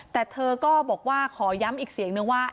แต่เธอก็บอกว่าขอย้ำอีกเสียงนึงว่า